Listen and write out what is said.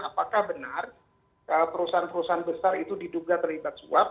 apakah benar perusahaan perusahaan besar itu diduga terlibat suap